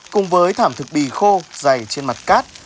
cùng với thảm thực bì khô dày trên mặt cát